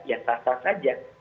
ya sah sah saja